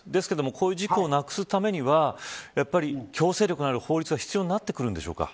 こうした事故なくすためには強制力のある法律が必要になってくるんでしょうか。